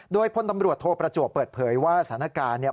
โดยพลตำรวจโทประจวบเปิดเผยว่าสถานการณ์เนี่ย